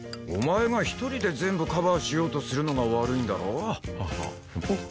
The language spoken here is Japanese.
お前が１人で全部カバーしようとするのが悪いんだろ？